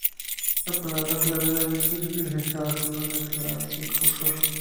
La palabra clave debe ser especificada cuando se declare el cursor.